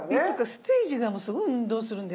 ステージがもうすごい運動するんですよ。